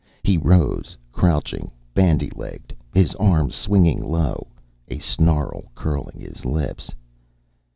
He rose crouching, bandy legged, his arms swinging low, a snarl curling his lips.